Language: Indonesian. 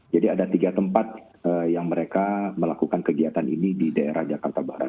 jadi ada tiga tempat yang mereka melakukan kegiatan ini di daerah jakarta barat